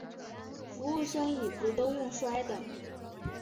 服务生椅子都用摔的